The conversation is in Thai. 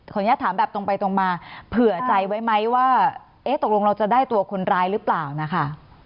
อนุญาตถามแบบตรงไปตรงมาเผื่อใจไว้ไหมว่าเอ๊ะตกลงเราจะได้ตัวคนร้ายหรือเปล่านะคะ